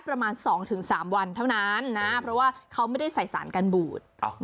ประมาณ๒๓วันเท่านั้นนะเพราะว่าเขาไม่ได้ใส่สารกันบูด